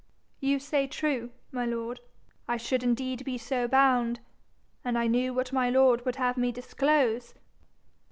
'You say true, my lord: I should indeed be so bound, an' I knew what my lord would have me disclose.'